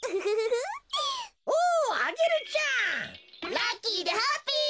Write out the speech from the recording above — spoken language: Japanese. ラッキーでハッピー！